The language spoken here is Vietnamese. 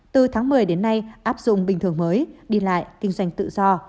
từ tháng một mươi đến nay áp dụng bình thường mới đi lại kinh doanh tự do